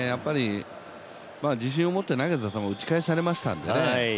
自信を持って投げてた球を打ち返されましたんでね